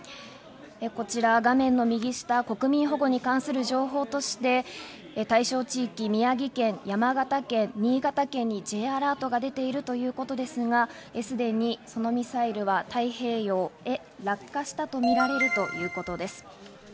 こちらが画面の右下、国民保護に関する情報として、対象地域、宮城県、山形県、新潟県にＪアラートが出ているということですが、すでにそのミサイルは太平洋へ落下したとみられるということです。